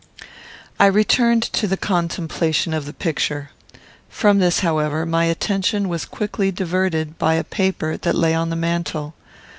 I returned to the contemplation of the picture. From this, however, my attention was quickly diverted by a paper that lay on the mantel.